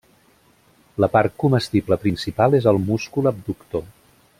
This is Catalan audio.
La part comestible principal és el múscul abductor.